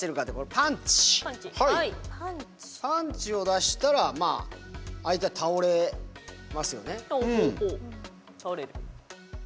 パンチを出したら相手は倒れますよね。